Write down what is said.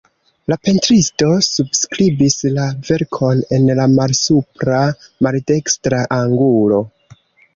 La pentristo subskribis la verkon en la malsupra maldekstra angulo.